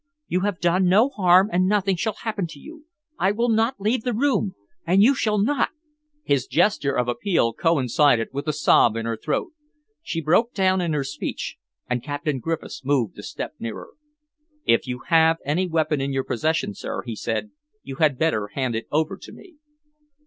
You have done no harm, and nothing shall happen to you. I will not leave the room, and you shall not " His gesture of appeal coincided with the sob in her throat. She broke down in her speech, and Captain Griffiths moved a step nearer. "If you have any weapon in your possession, sir," he said, "you had better hand it over to me."